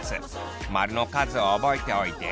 ○の数を覚えておいて。